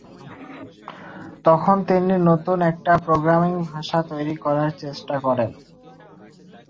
তখন তিনি নতুন একটা প্রোগ্রামিং ভাষা তৈরী করার চেষ্টা করেন।